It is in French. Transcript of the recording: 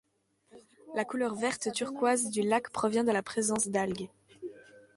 La couleur verte turquoise du lac provient de la présence d'algues.